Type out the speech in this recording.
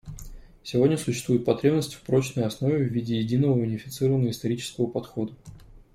Сегодня существует потребность в прочной основе в виде единого, унифицированного исторического подхода.